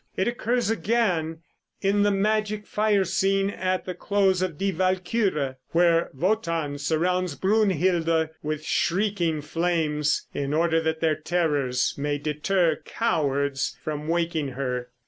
It occurs again in the magic fire scene, at the close of "Die Walküre," where Wotan surrounds Brunhilde with shrieking flames, in order that their terrors may deter cowards from waking her.